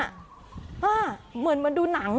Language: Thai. อ้าาเหมือนมาดูหนัง